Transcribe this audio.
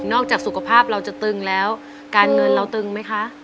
จากสุขภาพเราจะตึงแล้วการเงินเราตึงไหมคะ